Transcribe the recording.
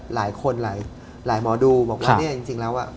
หลายคนหลายหมอดูบอกว่าเนี่ยจริงแล้ว